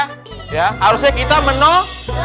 harusnya kita menolong